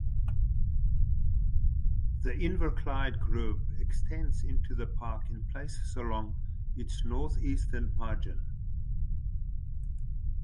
The Inverclyde Group extends into the park in places along its northeastern margin.